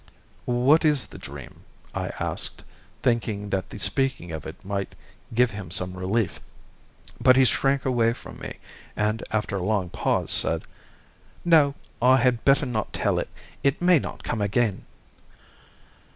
"What is the dream?" I asked, thinking that the speaking of it might give him some relief, but he shrank away from me, and after a long pause said: "No, I had better not tell it. It may not come again."